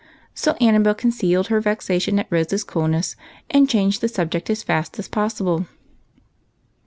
So Annabel concealed her vexation at Rose's coolness, and changed the subject as fast as possible.